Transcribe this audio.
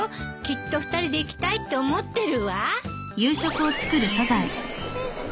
きっと２人で行きたいって思ってるわ。